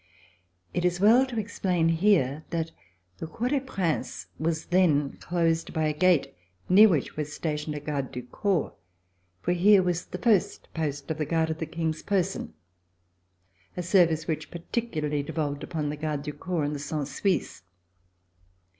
It is well to explain here that the Cour des Princes was then closed by a gate near which was stationed a garde du corps, for here was the first post of the guard of the King's person, a service which particularly devolved upon the Gardes du Corps and the Cent Suisses.